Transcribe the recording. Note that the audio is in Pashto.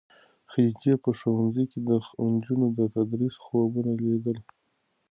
خدیجې په ښوونځي کې د نجونو د تدریس خوبونه لیدل.